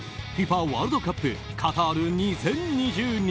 ワールドカップカタール２０２２。